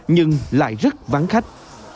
nhưng lại rất vắng khách